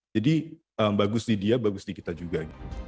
jadi bagus di dia bagus di kita juga